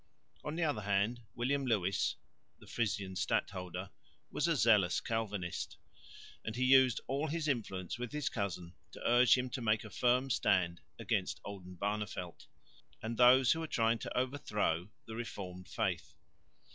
On the other hand William Lewis, the Frisian Stadholder, was a zealous Calvinist, and he used all his influence with his cousin to urge him to make a firm stand against Oldenbarneveldt, and those who were trying to overthrow the Reformed faith.